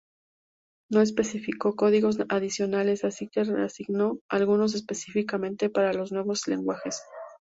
No especificó códigos adicionales, así que reasignó algunos específicamente para los nuevos lenguajes.